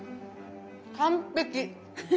完璧。